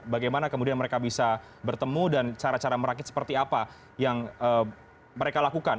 bagaimana kemudian mereka bisa bertemu dan cara cara merakit seperti apa yang mereka lakukan